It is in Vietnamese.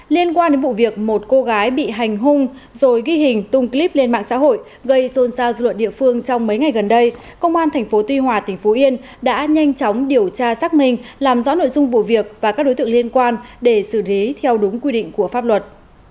liên quan đến vụ việc một cô gái bị hành hung rồi ghi hình tung clip lên mạng xã hội gây xôn xa rụa địa phương trong mấy ngày gần đây công an tp tuy hòa tỉnh phú yên đã nhanh chóng điều tra xác minh làm rõ nội dung vụ việc và các đối tượng liên quan để xử lý theo đúng quy định của pháp luật